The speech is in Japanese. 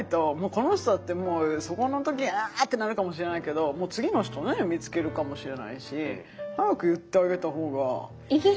この人だってもうそこの時「アーッ！」ってなるかもしれないけどもう次の人ね見つけるかもしれないし早く言ってあげたほうが。